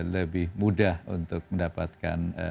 lebih mudah untuk mendapatkan